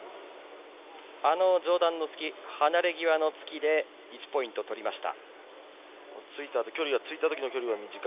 あの上段の突き、離れぎわの突きで１ポイントを取りました。